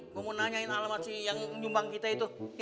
mau nanyain alamat si yang nyumbang kita itu ya